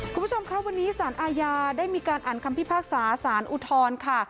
คุณผู้ชมครับวันนี้สารอาญาได้มีการอ่านคำพิพากษาสารอุทธรณ์ค่ะ